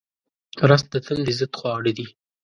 رس د تندې ضد خواړه دي